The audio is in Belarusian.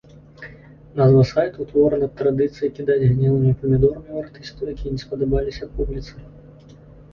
Назва сайта ўтворана ад традыцыі кідаць гнілымі памідорамі ў артыстаў, якія не спадабаліся публіцы.